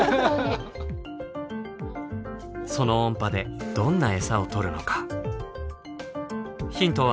その音波でどんな餌を捕るのか？